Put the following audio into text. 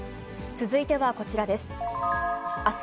続いてはこちらです。